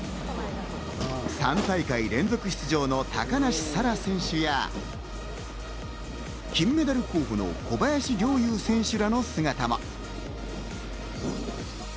３大会連続出場の高梨沙羅選手や、金メダル候補の小林陵侑選手らの姿も。